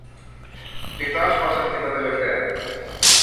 και θα 'σπαζαν και τα τελευταία